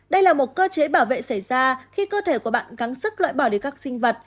đây là một cơ chế bảo vệ xảy ra khi cơ thể của bạn gắn sức loại bỏ để các sinh vật